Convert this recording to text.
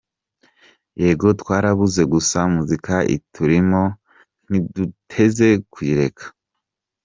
Yego twarabuze gusa muzika iturimo ntiduteze kuyireka.